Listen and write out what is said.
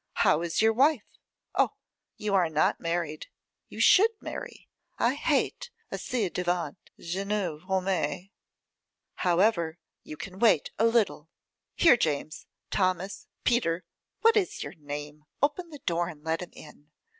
How is your wife? Oh! you are not married. You should marry; I hate a ci devant jeune homme. However, you can wait a little. Here, James, Thomas, Peter, what is your name, open the door and let him in.